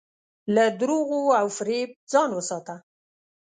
له دروغو او فریب ځان وساته.